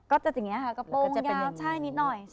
จะอย่างนี้ค่ะกระโปรงใช่นิดหน่อย